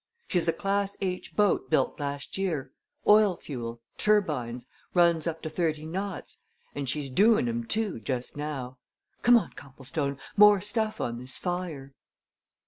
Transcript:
She's a class H. boat built last year oil fuel turbines runs up to thirty knots and she's doing 'em, too, just now! Come on, Copplestone more stuff on this fire!"